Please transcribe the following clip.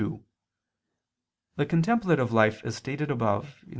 2: The contemplative life, as stated above (Q.